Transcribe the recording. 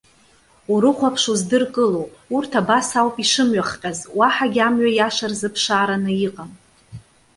Урыхәаԥш уздыркыло? Урҭ абас ауп ишымҩахҟьаз, уаҳагьы амҩа иаша рзыԥшаараны иҟам.